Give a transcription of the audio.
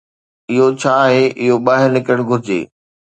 اهو ڇا آهي، اهو ٻاهر نڪرڻ گهرجي.